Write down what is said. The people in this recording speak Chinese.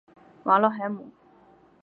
瓦勒海姆。